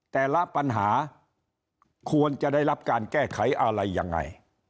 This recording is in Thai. แต่ละปัญหาควรจะได้รับการแก้ไขอะไรยังไง